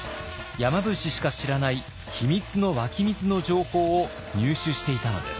山伏しか知らない秘密の湧き水の情報を入手していたのです。